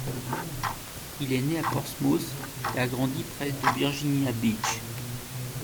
Il est né à Portsmouth et a grandi près de Virginia Beach.